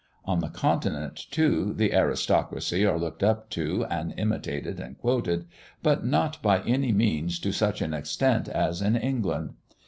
On the continent, too, the aristocracy are looked up to and imitated and quoted, but not by any means to such an extent as in England.